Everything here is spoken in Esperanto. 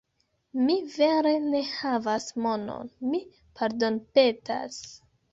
Mi vere ne havas monon, mi pardonpetas